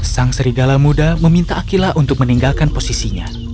sang serigala muda meminta akilah untuk meninggalkan posisinya